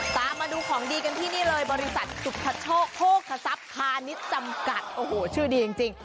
ตามมาดูของดีกันที่นี่เลยบริษัทสุพโชคโภคศัพย์พาณิชย์จำกัดโอ้โหชื่อดีจริง